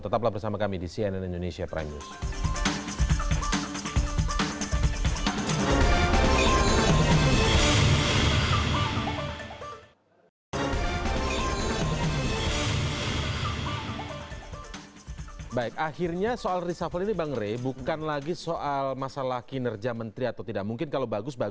tetaplah bersama kami di cnn indonesia prime news